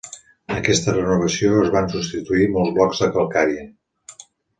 En aquesta renovació es van substituir molts blocs de calcària.